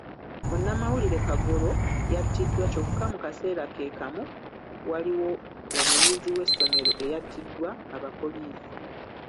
Munnamawulire Kagoro yattiddwa kyokka mu kaseera ke kamu, waliwo omuyizi w'essomero eyattiddwa aba poliisi